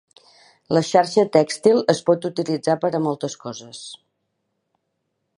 La xarxa tèxtil es pot utilitzar per a moltes coses.